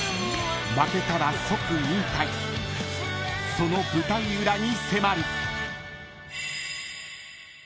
［その舞台裏に迫る］